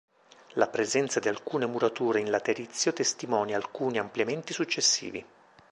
La presenza di alcune murature in laterizio testimonia alcuni ampliamenti successivi.